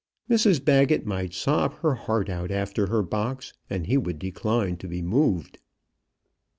Mrs Baggett might sob her heart out after her box, and he would decline to be moved.